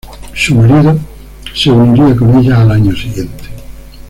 Su marido se uniría con ella al año siguiente.